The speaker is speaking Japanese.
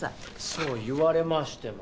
そう言われましても。